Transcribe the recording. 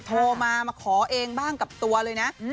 โทรมามาขอเองบ้างกับตัวเลยนะ